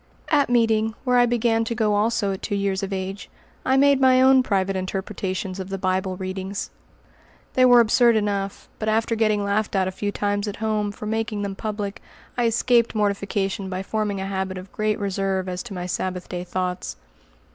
At meeting, where I began to go also at two years of age, I made my own private interpretations of the Bible readings. They were absurd enough, but after getting laughed at a few times at home for making them public, I escaped mortification by forming a habit of great reserve as to my Sabbath day thoughts.